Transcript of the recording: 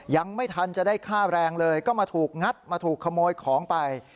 ยังไม่ทันจะได้ค่าแรงเลยก็มาถูกงัดมาถูกขโมยของไป